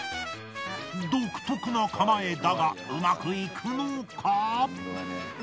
独特な構えだがうまくいくのか！？